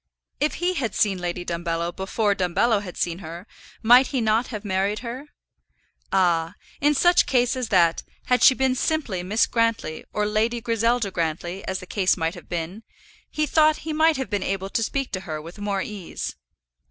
If he had seen Lady Dumbello before Dumbello had seen her, might he not have married her? Ah! in such case as that, had she been simply Miss Grantly, or Lady Griselda Grantly, as the case might have been, he thought he might have been able to speak to her with more ease.